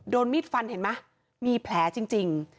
มีดฟันเห็นไหมมีแผลจริง